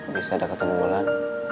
bisa ada ketemu bulan